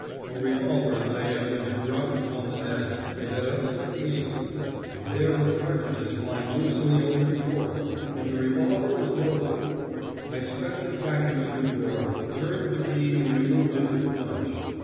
A revolver lay as it had dropped upon the desk it had upset the ink and there were cartridges lying loose in the open drawer, and the revolver was loaded. I swept it back into the drawer, turned the key and removed it with the bunch.